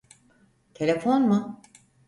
Telefon mu?